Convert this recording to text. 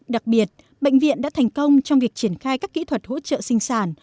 đặc biệt bệnh viện đã thành công trong việc triển khai các kỹ thuật hỗ trợ sinh sản